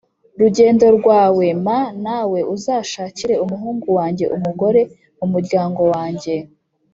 rugendo rwawe m Nawe uzashakire umuhungu wanjye umugore mu muryango wanjye